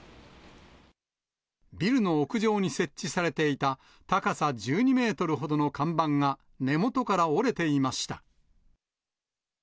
ビルの屋上に設置されていた、高さ１２メートルほどの看板が、根元から折れていました。